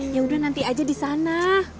ya udah nanti aja di sana